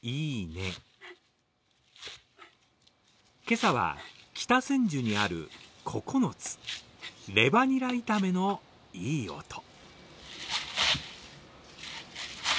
今朝は北千住にある、ここのつ、レバニラ炒めのいい音。